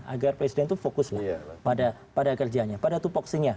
agar presiden itu fokuslah pada kerjanya pada tupoksinya